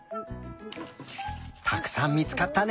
たくさん見つかったね！